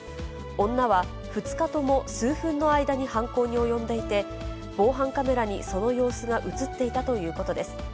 女は２日とも数分の間に犯行に及んでいて、防犯カメラにその様子が写っていたということです。